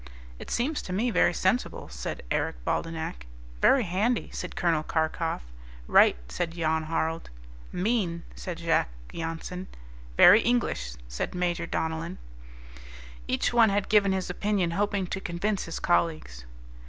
"It seems to me very sensible," said Eric Baldenak. "Very handy," said Col. Karkof. "Right," said Jan Harald. "Mean," said Jacques Jansen. "Very English," said Major Donellan. Each one had given his opinion hoping to convince his colleagues.